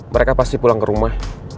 mereka pasti pulang ke rumah